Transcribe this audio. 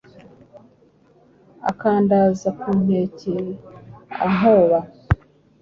akandaza ku nkeke ankoba.